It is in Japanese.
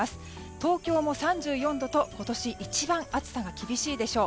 東京も３４度と今年一番暑さが厳しいでしょう。